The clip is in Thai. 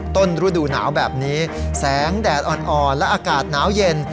ต้นฤดูหนาวแบบนี้แสงแดดอ่อนและอากาศหนาวเย็น